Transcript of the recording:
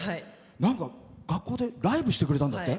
なんか学校でライブしてくれたんだって？